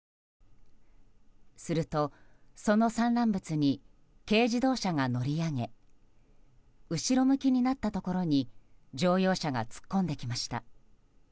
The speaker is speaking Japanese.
すると、その散乱物に軽自動車が乗り上げ後ろ向きになったところに乗用車が突っ込んできました。